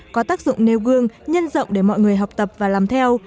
có tác dụng nêu gương nhân rộng để mọi người học tập và làm theo